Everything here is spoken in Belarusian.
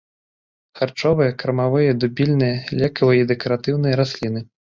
Харчовыя, кармавыя, дубільныя, лекавыя і дэкаратыўныя расліны.